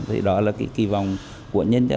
thì đó là kỳ vọng của nhân dân